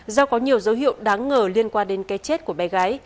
do có nhiều dấu hiệu đáng ngờ liên quan đến cái chết của bé gái